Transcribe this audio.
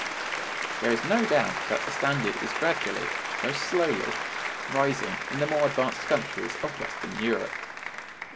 There is no doubt that [the standard] is gradually, though slowly, rising in the more advanced countries of Western Europe.